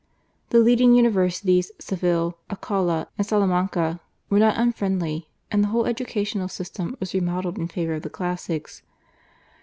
The leading universities, Seville, Alcala, and Salamanca, were not unfriendly, and the whole educational system was remodelled in favour of the classics.